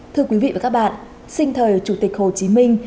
thưa quý vị và các bạn sinh thời chủ tịch hồ chí minh